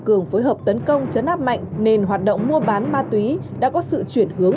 cường phối hợp tấn công chấn áp mạnh nên hoạt động mua bán ma túy đã có sự chuyển hướng